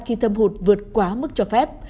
khi thâm hụt vượt quá mức cho phép